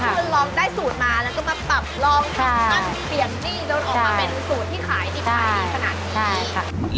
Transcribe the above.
ก็คือลองได้สูตรมาแล้วก็มาปรับลองที่มันเปลี่ยนหนี้จนออกมาเป็นสูตรที่ขายดีใครในสถานที่นี่